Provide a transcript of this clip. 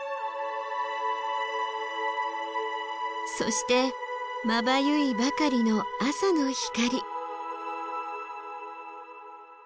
そしてまばゆいばかりの朝の光。